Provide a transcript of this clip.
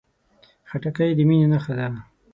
خټکی د مینې نښه ده.